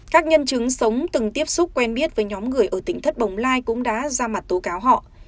các nhân chứng sống từng tiếp xúc quen biết với nhóm người ở tỉnh thất bồng lai cũng đã ra mặt tố cáo họ